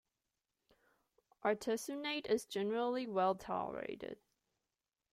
Artesunate is generally well tolerated.